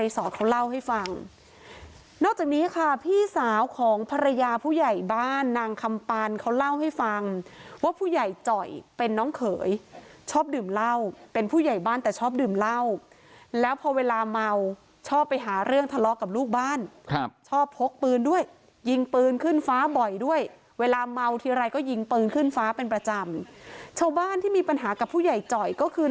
เล่าให้ฟังนอกจากนี้ค่ะพี่สาวของภรรยาผู้ใหญ่บ้านนางคำปานเขาเล่าให้ฟังว่าผู้ใหญ่จ่อยเป็นน้องเขยชอบดื่มเหล้าเป็นผู้ใหญ่บ้านแต่ชอบดื่มเหล้าแล้วพอเวลาเมาชอบไปหาเรื่องทะเลาะกับลูกบ้านครับชอบพกปืนด้วยยิงปืนขึ้นฟ้าบ่อยด้วยเวลาเมาทีไรก็ยิงปืนขึ้นฟ้าเป็นประจำชาวบ้านที่มีปัญหากับผู้ใหญ่จ่อยก็คือ